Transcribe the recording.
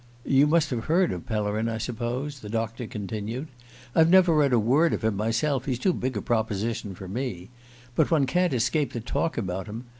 "You must have heard of Pellerin, I suppose?" the doctor continued. "I've never read a word of him myself: he's too big a proposition for me. But one can't escape the talk about him.